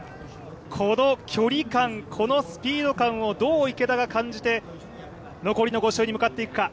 この距離感、このスピード感をどう池田が感じて残りの５周に向かっていくか。